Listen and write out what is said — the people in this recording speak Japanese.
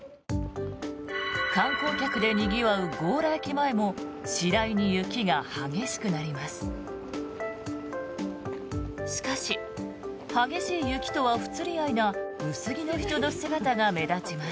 観光客でにぎわう強羅駅前も次第に雪が激しくなります。